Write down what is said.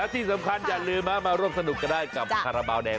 ที่สำคัญอย่าลืมมาร่วมสนุกกันได้กับคาราบาลแดง